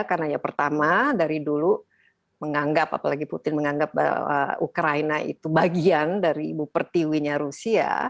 karena pertama dari dulu menganggap apalagi putin menganggap ukraina itu bagian dari ibu pertiwinya rusia